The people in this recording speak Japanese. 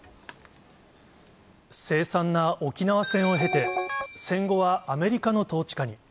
凄惨な沖縄戦を経て、戦後はアメリカの統治下に。